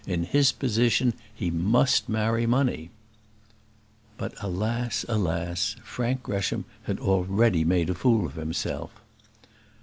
In his position he must marry money." But, alas! alas! Frank Gresham had already made a fool of himself.